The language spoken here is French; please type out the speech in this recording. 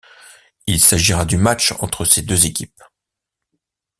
Il s'agira du match entre ces deux équipes.